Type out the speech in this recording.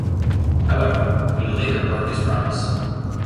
However, he later broke his promise.